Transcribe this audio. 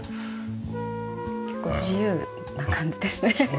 結構自由な感じですね。